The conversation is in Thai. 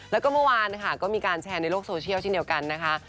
แล้วก็เมื่อวานนะคะก็มีการแชร์ในโลกโซเชียลเช่นเดียวกันนะคะ